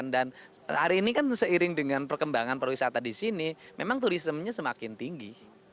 dan hari ini kan seiring dengan perkembangan perwisataan di sini memang turismenya semakin tinggi